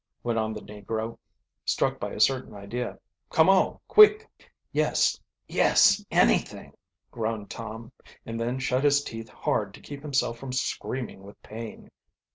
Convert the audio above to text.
went on the negro, struck by a certain idea. "Come on, quick!" "Yes yes anything!" groaned Tom, and then shut his teeth hard to keep himself from screaming with pain.